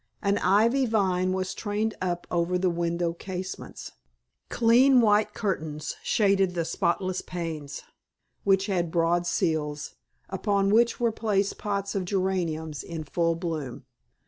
An ivy vine was trained up over the window casements, clean white curtains shaded the spotless panes, which had broad sills, upon which were placed pots of geraniums in full bloom.